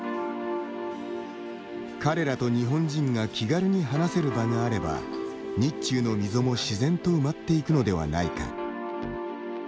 彼らと日本人が気軽に話せる場があれば日中の溝も自然と埋まっていくのではないか。